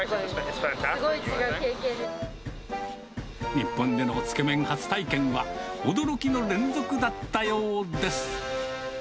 日本でのつけ麺初体験は、驚きの連続だったようです。